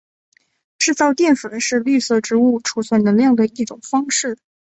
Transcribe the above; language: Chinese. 制造淀粉是绿色植物贮存能量的一种方式。